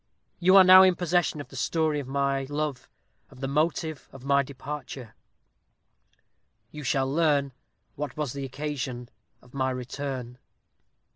You are now in possession of the story of my love of the motive of my departure. You shall learn what was the occasion of my return.